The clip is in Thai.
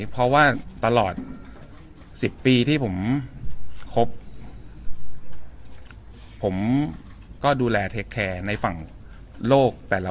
เพราะว่าตลอดสิบปีที่ผมครบผมก็ดูแลในฝั่งโลกแต่ละ